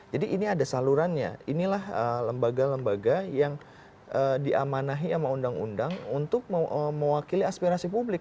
jadi ini ada salurannya inilah lembaga lembaga yang diamanahi sama undang undang untuk mewakili aspirasi publik